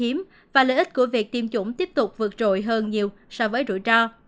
trường hợp như vậy là rất hiếm và lợi ích của việc tiêm chủng tiếp tục vượt rội hơn nhiều so với rủi ro